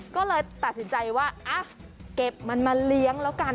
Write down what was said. ก็เลยตัดสินใจว่าเก็บมันมาเลี้ยงแล้วกัน